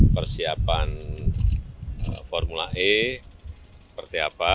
persiapan formula e seperti apa